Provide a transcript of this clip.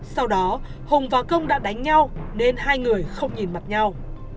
sau đó hùng và công đã đánh nhau nên hai người không nhìn mặt nhau